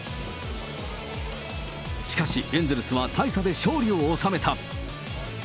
しかし、エンゼルスは大差で勝利を収めた。